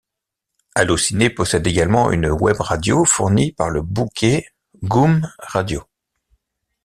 Allociné possède également une webradio, fournie par le bouquet Goom Radio.